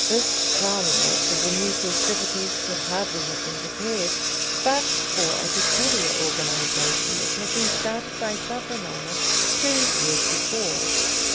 This crowning act of the new festivities could hardly have been prepared but for a peculiar organisation which had been started by Savonarola two years before.